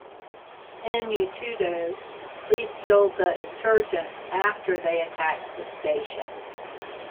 In Utuado, police killed the insurgents after they attacked the station.